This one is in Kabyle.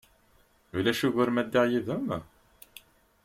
Ulac ugur ma ddiɣ yid-m?